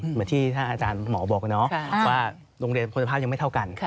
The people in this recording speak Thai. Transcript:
เหมือนที่ท่านอาจารย์หมอบอกว่าโรงเรียนคุณภาพยังไม่เท่ากัน